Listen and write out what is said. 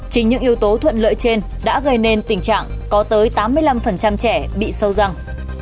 chính những yếu tố thuận lợi trên đã gây nên tình trạng có tới tám mươi năm trẻ bị sâu răng